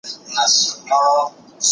پردۍ ژبه زده کړئ.